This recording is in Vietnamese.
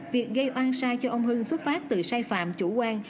việc gây oan sai cho ông hưng xuất phát từ sai phạm chủ quan